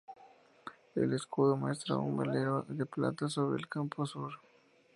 El escudo muestra un velero de plata sobre campo de azur.